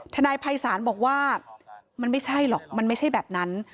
นายภัยศาลบอกว่ามันไม่ใช่หรอกมันไม่ใช่แบบนั้น